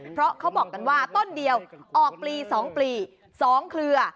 เพราะเขาบอกกันว่าต้นเดียวออกปลี๒ปลี๒เครือ